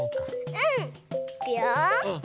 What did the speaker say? うん！いくよ。